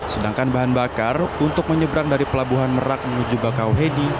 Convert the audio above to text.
sedangkan bahan bakar untuk menyeberang dari pelabuhan merak menuju bakauhedi